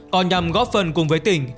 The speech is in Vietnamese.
còn nhằm góp phần cùng với tỉnh